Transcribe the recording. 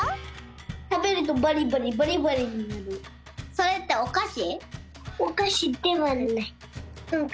それっておかし？